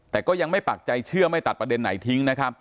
แต่ก็ยังไม่ปักใจเชื่อไม่ตัดประเด็นไหนทิ้งนะครับ